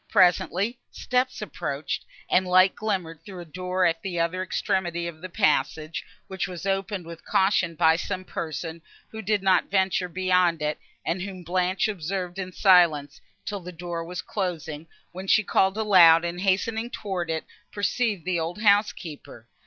Presently steps approached, and light glimmered through a door at the other extremity of the passage, which was opened with caution by some person, who did not venture beyond it, and whom Blanche observed in silence, till the door was closing, when she called aloud, and, hastening towards it, perceived the old housekeeper.